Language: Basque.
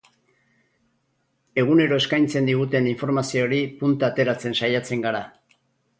Egunero eskaintzen diguten informazioari punta ateratzen saiatzen gara.